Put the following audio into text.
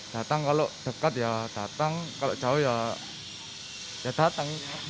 datang kalau dekat ya datang kalau jauh ya datang